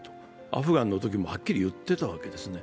アフガンのときもはっきり言っていたわけですね。